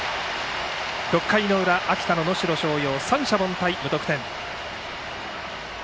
６回の裏、秋田の能代松陽三者凡退で無得点。